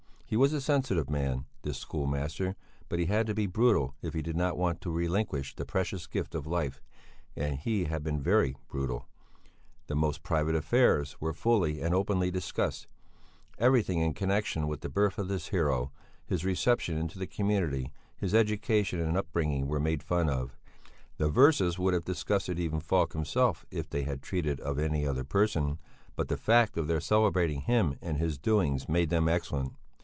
He was a sensitive man, this schoolmaster, but he had to be brutal if he did not want to relinquish the precious gift of life, and he had been very brutal. The most private affairs were fully and openly discussed, everything in connexion with the birth of the hero, his reception into the community, his education and up bringing were made fun of; the verses would have disgusted even Falk himself if they had treated of any other person, but the fact of their celebrating him and his doings made them excellent.